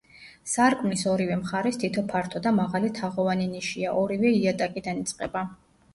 სარკმლის ორივე მხარეს თითო ფართო და მაღალი თაღოვანი ნიშია, ორივე იატაკიდან იწყება.